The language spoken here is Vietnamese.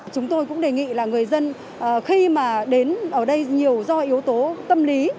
chúng tôi cũng đề nghị là người dân khi mà đến ở đây nhiều do yếu tố tâm lý